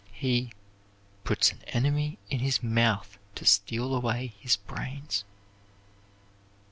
He "puts an enemy in his mouth to steal away his brains."